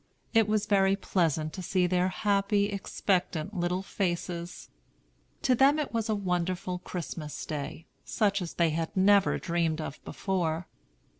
It was very pleasant to see their happy, expectant little faces. To them it was a wonderful Christmas day, such as they had never dreamed of before.